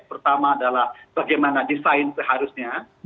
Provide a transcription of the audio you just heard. pertama adalah bagaimana desain seharusnya